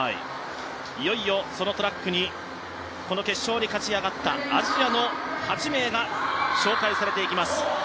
いよいよ、そのトラックに決勝に勝ち上がったアジアの８名が紹介されていきます。